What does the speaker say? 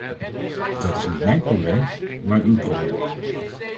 Dat is niet mijn probleem, maar uw probleem!